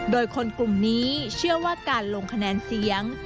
โดยคนกลุ่มนี้เชื่อว่าการลงคะแนนเสียง